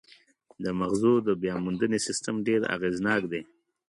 د مغزو د بیاموندنې سیستم ډېر اغېزناک دی.